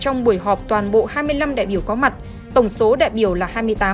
trong buổi họp toàn bộ hai mươi năm đại biểu có mặt tổng số đại biểu là hai mươi tám